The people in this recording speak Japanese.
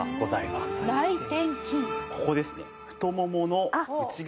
ここですね。